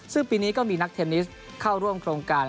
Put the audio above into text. ซึ่งปีนี้ก็มีนักเทนนิสเข้าร่วมโครงการ